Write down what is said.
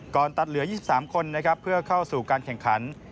ตัดเหลือ๒๓คนนะครับเพื่อเข้าสู่การแข่งขัน